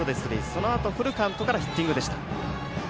そのあとフルカウントからヒッティングでした。